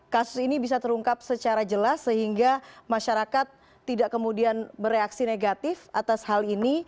kasus ini bisa terungkap secara jelas sehingga masyarakat tidak kemudian bereaksi negatif atas hal ini